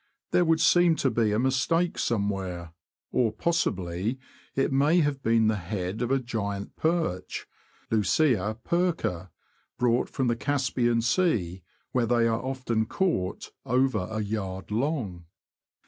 There would seem to be a mistake somewhere; or possibly it may have been the head of a giant perch {Lucia perca), brought from the Caspian Sea, where they are often caught over a yard long.